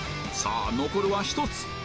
さあ残るは１つ